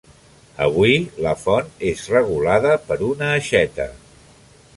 Avui la font és regulada per una aixeta.